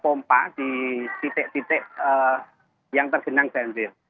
pompa di titik titik yang tergenang banjir